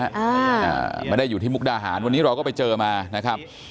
อ่าไม่ได้อยู่ที่มุกดาหารวันนี้เราก็ไปเจอมานะครับ